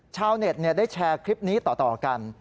ชาวเน็ตได้แชร์คลิปนี้ต่อกัน